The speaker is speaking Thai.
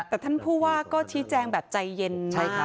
แต่ท่านผู้ว่าก็ชี้แจงแบบใจเย็นนะคะ